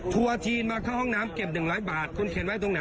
ถั่วจีนมาเข้าห้องน้ำเก็บหนึ่งร้อยบาทคุณเขียนไว้ตรงไหน